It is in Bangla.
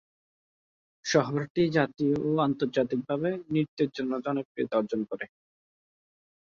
শহরটি জাতীয় ও আন্তর্জাতিকভাবে নৃত্যের জন্য জনপ্রিয়তা অর্জন করে।